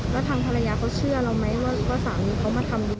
แล้วทางภรรยาเขาเชื่อเราไหมว่าสามีเขามาทำดี